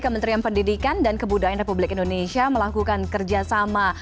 kementerian pendidikan dan kebudayaan republik indonesia melakukan kerjasama